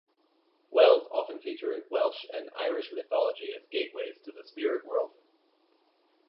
Wells often feature in Welsh and Irish mythology as gateways to the spirit world.